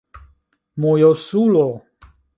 mojosulo